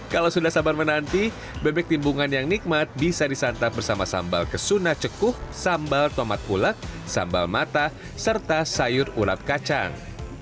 kalau sudah sabar menanti bebek timbungan yang nikmat bisa disantap bersama sambal kesuna cekuh sambal tomat ulak sambal mata serta sayur urap kacang